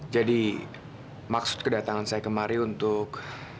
jadi maksud kedatangan saya kemari untuk